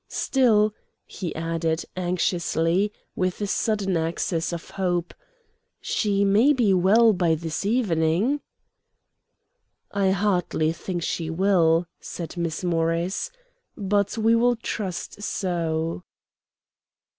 Still," he added, anxiously, with a sudden access of hope, "she may be well by this evening." "I hardly think she will," said Miss Morris, "but we will trust so."